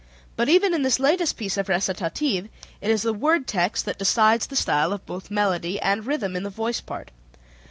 But even in this latest phase of recitative, it is the word text that decides the style of both melody and rhythm in the voice part.